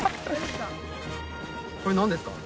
これなんですか？